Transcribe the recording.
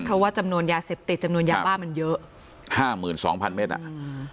เพราะว่าจำนวนยาเสพติดจำนวนยาบ้ามันเยอะห้าหมื่นสองพันเมตรอ่ะอืม